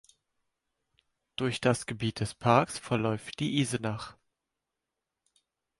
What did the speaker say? Durch das Gebiet des Parks verläuft die Isenach.